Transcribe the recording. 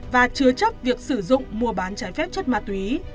và chứa chấp việc sử dụng mua bán trái phép chất ma túy